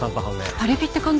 パリピって感じ？